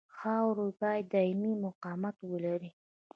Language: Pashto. خاوره باید دایمي مقاومت ولري